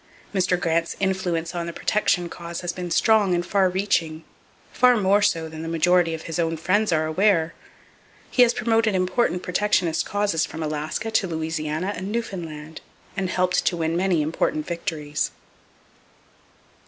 Mr. Grant's influence on the protection cause has been strong and far reaching,—far more so than the majority of his own friends are aware. He has promoted important protectionist causes from Alaska to Louisiana and Newfoundland, and helped to win many important victories.